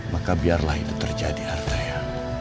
maka biarlah itu terjadi artaya